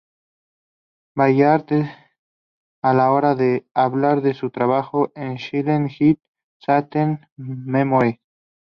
Ballard a la hora de hablar de su trabajo en Silent Hill: Shattered Memories.